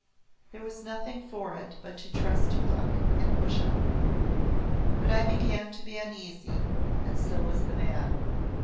There was nothing for it but to trust to luck and push on. But I began to be uneasy and so was the man.